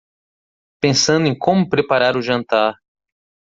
Pensando em como preparar o jantar